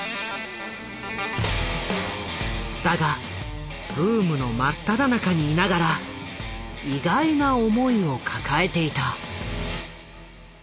だがブームの真っただ中にいながら意外な思いを抱えていた。